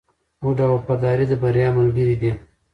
هوډ او وفاداري د بریا ملګري دي.